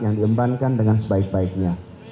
yang diembankan dengan sebaik baiknya